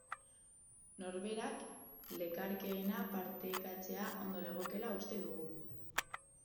Norberak lekarkeena partekatzea ondo legokeela uste dugu.